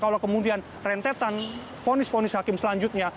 kalau kemudian rentetan fonis fonis hakim selanjutnya